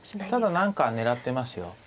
ただ何か狙ってますよ。